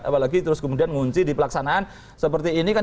apalagi terus kemudian ngunci di pelaksanaan seperti ini kan